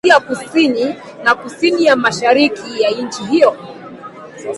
Nusu ya kusini na kusini ya mashariki ya nchi hiyo